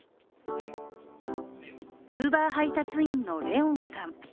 ウーバー配達員の怜音さん。